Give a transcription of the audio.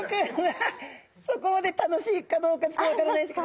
そこまで楽しいかどうかちょっと分からないですけど